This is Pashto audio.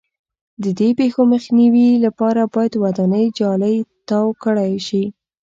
د دې پېښو مخنیوي لپاره باید ودانۍ جالۍ تاو کړای شي.